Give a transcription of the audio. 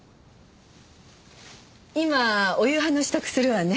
今お夕飯の支度するわね。